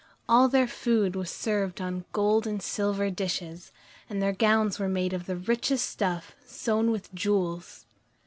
All their food was served on gold and silver dishes, and their gowns were made of the richest stuff sewn with jewels.